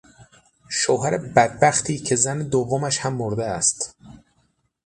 شوهر بدبختی که زن دومش هم مرده است